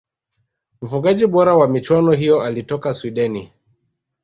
mfungaji bora wa michuano hiyo alitoka swideni